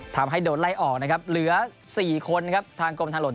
ทำให้โดนไล่ออกนะครับเหลือ๔คนนะครับทางกรมทางหลวง